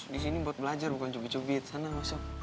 di sini buat belajar bukan cubit cubit sana